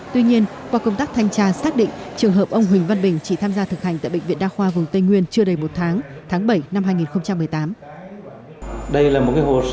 tuy nhiên qua công tác thanh tra xác định trường hợp ông huỳnh văn bình chỉ tham gia thực hành tại bệnh viện đa khoa vùng tây nguyên chưa đầy một tháng tháng bảy năm hai nghìn một mươi tám